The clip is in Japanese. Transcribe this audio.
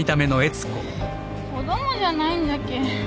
子供じゃないんじゃけぇ。